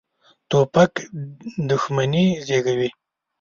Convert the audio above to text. توپک دښمني زېږوي.